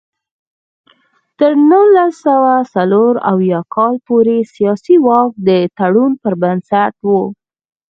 تر نولس سوه څلور اویا کال پورې سیاسي واک د تړون پر بنسټ و.